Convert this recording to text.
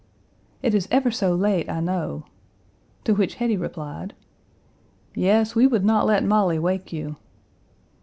"It is ever so late, I know," to which Hetty replied: "Yes, we would not let Molly wake you."